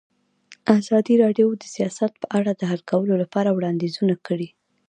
ازادي راډیو د سیاست په اړه د حل کولو لپاره وړاندیزونه کړي.